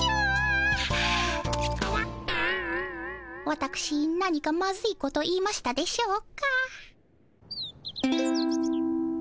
わたくし何かまずいこと言いましたでしょうか？